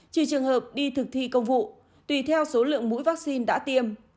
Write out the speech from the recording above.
trừ trường hợp đi thực thi công vụ tùy theo số lượng mũi vaccine đã tiêm